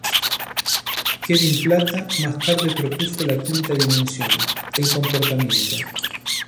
Kevin Plata más tarde propuso la quinta dimensión, el comportamiento.